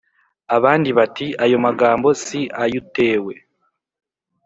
Abandi bati ayo magambo si ay utewe